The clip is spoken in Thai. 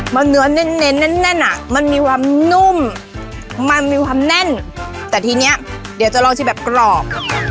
แล้วเนื้อเน้นแน่นอ่ะมันมีความนุ่มมันมีความแน่นแต่ทีเนี้ยเดี๋ยวจะลองชิมแบบกรอบ